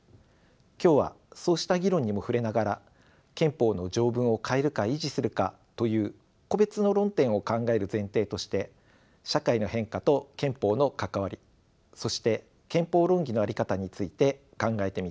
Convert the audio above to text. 今日はそうした議論にも触れながら憲法の条文を変えるか維持するかという個別の論点を考える前提として社会の変化と憲法の関わりそして憲法論議の在り方について考えてみたいと思います。